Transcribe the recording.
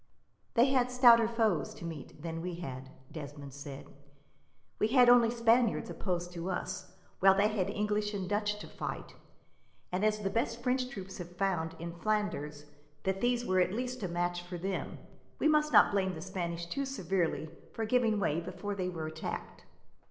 "They had stouter foes to meet than we had," Desmond said. "We had only Spaniards opposed to us, while they had English and Dutch to fight; and as the best French troops have found, in Flanders, that these were at least a match for them, we must not blame the Spanish too severely for giving way before they were attacked."